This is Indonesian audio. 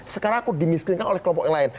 sekarang aku dimiskinkan oleh kelompok yang lain